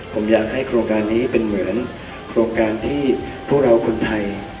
ผมอยากให้โครงการนี้เป็นเหมือนโครงการที่พวกเราคนไทย